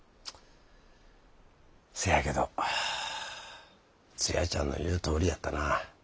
せやけどツヤちゃんの言うとおりやったな。